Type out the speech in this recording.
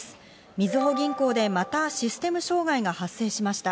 みずほ銀行でまたシステム障害が発生しました。